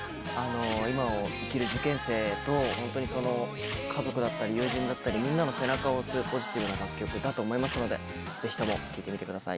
今を生きる受験生と、本当にその家族だったり友人だったり、みんなの背中を押す、ポジティブな楽曲だと思いますので、ぜひとも聴いてみてください。